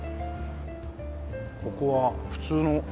ここは普通の。